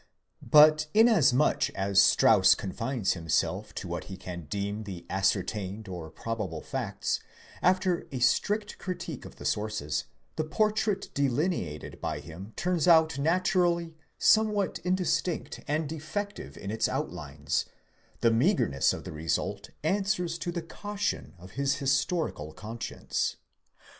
But inasmuch as: Strauss confines himself to what he can deem the ascertained or probable facts, after a strict critique of the sources, the portrait delineated by him turns: out naturally somewhat indistinct and defective in its outlines ; the meagreness of the result answers to the caution of his historical conscience.